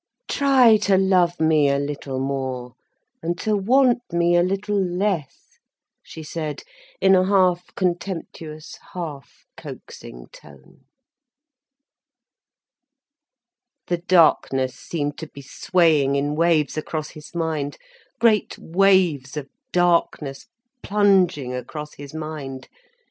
"Try to love me a little more, and to want me a little less," she said, in a half contemptuous, half coaxing tone. The darkness seemed to be swaying in waves across his mind, great waves of darkness plunging across his mind.